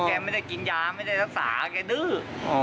แกกินยาไม่ได้รักษาแกดื้อ